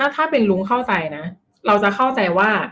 ถ้าเป็นลุงเข้าใจนะเราจะเข้าใจว่า